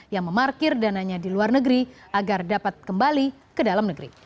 yang memarkir dananya di luar negeri agar dapat kembali ke dalam negeri